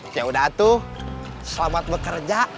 yaudah tuh selamat bekerja